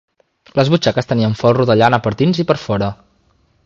Les butxaques tenien folro de llana per dins i per fora.